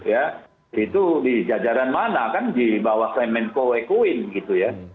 ya itu di jajaran mana kan di bawah kemenko wekuin gitu ya